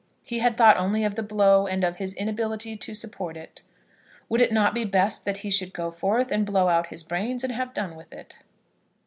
He had thought only of the blow, and of his inability to support it. Would it not be best that he should go forth, and blow out his brains, and have done with it?